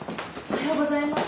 おはようございます。